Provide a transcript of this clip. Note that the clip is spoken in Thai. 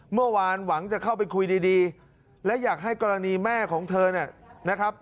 เมื่อวานหวังจะเข้าไปคุยดีและอยากให้กรณีแม่ของเธอเนี่ยนะครับ